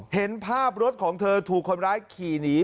เห็นภาพรถของเธอถูกคนร้ายขี่หนี